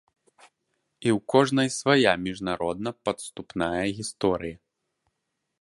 І ў кожнай свая міжнародна-падступная гісторыя.